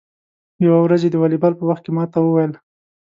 یوه ورځ یې د والیبال په وخت کې ما ته و ویل: